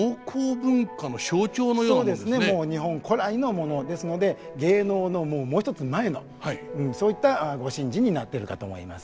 もう日本古来のものですので芸能のもう一つ前のそういったご神事になってるかと思います。